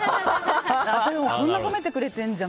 こんなにほめてくれてるじゃん。